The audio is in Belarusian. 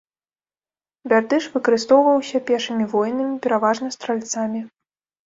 Бярдыш выкарыстоўваўся пешымі воінамі, пераважна стральцамі.